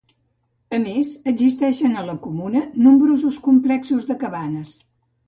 A més, existixen a la comuna nombrosos complexos de cabanes.